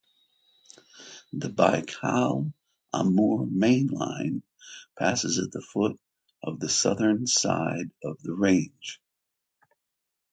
The Baikal–Amur Mainline passes at the foot of the southern side of the range.